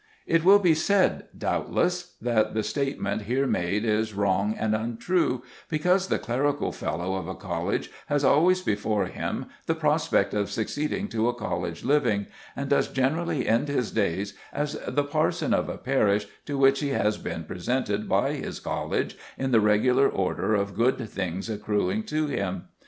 It will be said, doubtless, that the statement here made is wrong and untrue, because the clerical fellow of a college has always before him the prospect of succeeding to a college living, and does generally end his days as the parson of a parish to which he has been presented by his college in the regular order of good things accruing to him.